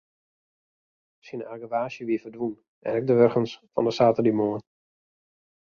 Syn argewaasje wie ferdwûn en ek de wurgens fan de saterdeitemoarn.